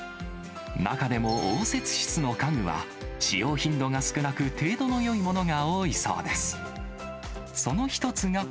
中でも応接室の家具は、使用頻度が少なく、程度のよいものが多いそうです。